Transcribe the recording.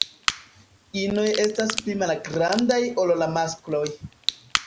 Inoj estas pli malgrandaj ol la maskloj.